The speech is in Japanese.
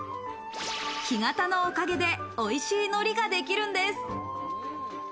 干潟のおかげでおいしい海苔ができるんです。